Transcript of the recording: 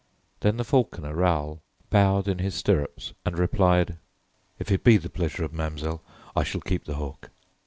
Then the falconer Raoul bowed in his stirrups and replied: "If it be the pleasure of Mademoiselle, I shall keep the hawk."